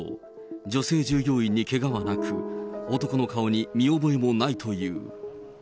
女性従業員にけがはなく、男の顔に見覚えもないという。